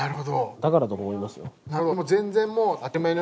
だからと思いますよ。